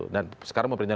dan sekarang memperintahkan